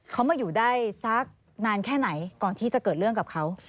เขามาอยู่ได้สักนานแค่ไหนก่อนที่จะเกิดเรื่องกับเขา